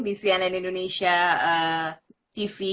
di cnn indonesia tv